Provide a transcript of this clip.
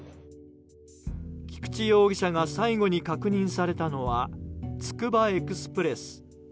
菊池容疑者が最後に確認されたのはつくばエクスプレス。